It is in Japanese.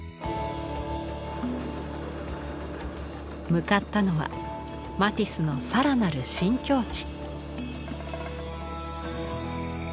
向かったのはマティスの更なる新境地。